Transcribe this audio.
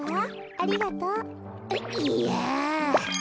ありがとう。いや。